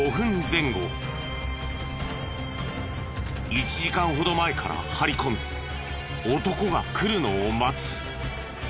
１時間ほど前から張り込み男が来るのを待つ。